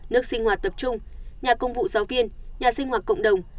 nước sinh hoạt tập trung nhà công vụ giáo viên nhà sinh hoạt cộng đồng